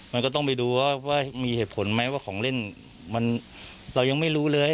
มันก็ต้องไปดูว่ามีเหตุผลไหมว่าของเล่นเรายังไม่รู้เลย